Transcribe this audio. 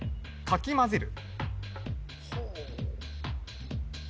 かきまぜる